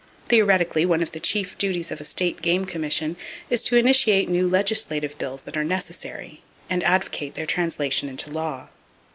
Theoretically one of the chief duties of a State Game Commission is to initiate new legislative bills that are necessary, and advocate their translation into law.